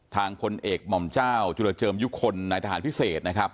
ทางคนเอกหม่อมเจ้าจุดเจิมยุคคลในทหารพิเศษนะครับ